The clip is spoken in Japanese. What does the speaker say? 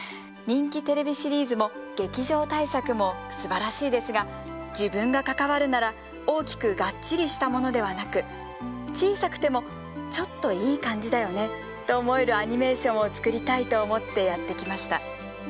「人気テレビシリーズも劇場大作もすばらしいですが自分が関わるなら大きくガッチリしたものではなく小さくてもちょっといい感じだよねと思えるアニメーションを作りたいと思ってやってきました。